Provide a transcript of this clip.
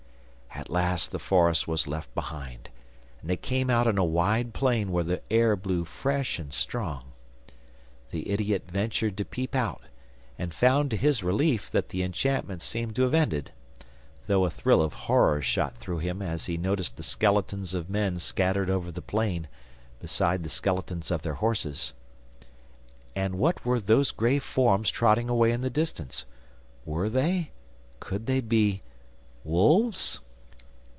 At last the forest was left behind, and they came out on a wide plain where the air blew fresh and strong. The idiot ventured to peep out, and found to his relief that the enchantments seemed to have ended, though a thrill of horror shot through him as he noticed the skeletons of men scattered over the plain, beside the skeletons of their horses. And what were those grey forms trotting away in the distance? Were they could they be wolves?